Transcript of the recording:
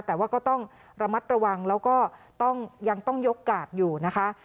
แต่ว่าก็ต้องระมัดระวังแล้วก็ต้องยังต้องยกกาดอยู่นะคะ